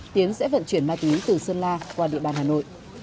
tiến sẽ vận chuyển ma túy từ sơn la qua địa bàn hà nội